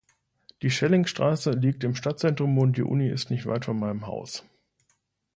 Die Schellingstraße liegt im Stadtzentrum, und die Uni ist nicht weit von meinem Haus.